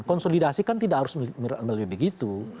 konsolidasi kan tidak harus lebih begitu